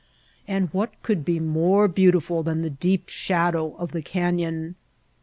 And what could be more beautiful than the deep shadow of the canyon !